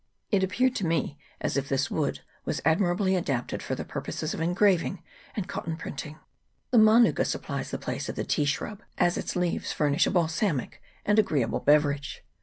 It appeared to me as if this wood was admirably adapted for the purposes of engraving and cotton printing. The manuka supplies the place of the tea shrub, as its leaves furnish a balsamic and agreeable beverage.